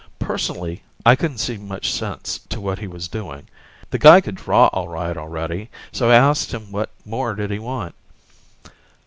Personally, I couldn't see much sense to what he was doing. The guy could draw all right already, so I asked him what more did he want?